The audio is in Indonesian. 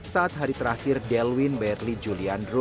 saat hari terakhir delwin berly juliandro